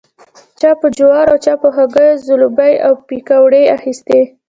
چا په جوارو او چا په هګیو ځلوبۍ او پیکوړې اخيستې.